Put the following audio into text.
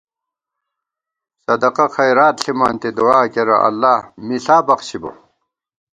صدقہ خیرات ݪِمانتی، دُعا کېرہ اللہ مِݪا بخچِبہ